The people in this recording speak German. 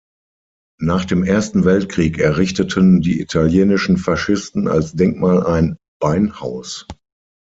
Nach dem Ersten Weltkrieg errichteten die italienischen Faschisten als Denkmal ein Beinhaus.